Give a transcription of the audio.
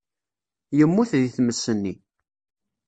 Yemmut deg tmes-nni.